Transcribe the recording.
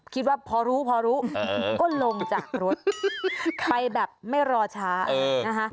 คิดว่าพอรู้พอรู้ก็ลงจากรถไปแบบไม่รอช้านะคะ